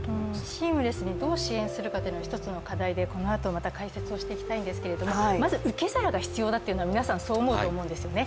シームレスにどう支援するのかというのは課題で、このあと解説しようと思うんですがまず受け皿が必要だというのは皆さんそう思うと思うんですよね。